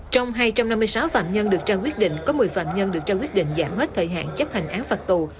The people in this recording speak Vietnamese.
trong hai trăm năm mươi sáu phạm nhân được trao quyết định có một mươi phạm nhân được trao quyết định giảm hết thời hạn chấp hành án phạt tù